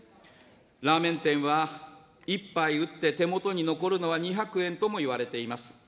ラーメン店は、１杯売って、手元に残るのは２００円ともいわれています。